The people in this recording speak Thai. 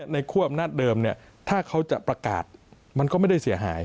คั่วอำนาจเดิมเนี่ยถ้าเขาจะประกาศมันก็ไม่ได้เสียหาย